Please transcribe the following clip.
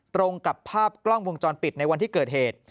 ตรงกับภาพกล้องวงจรปิดในวันที่เกิดเหตุ